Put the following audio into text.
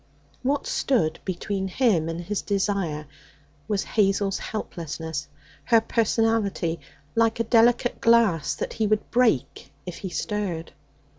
What stood between him and his desire was Hazel's helplessness, her personality, like a delicate glass that he would break if he stirred.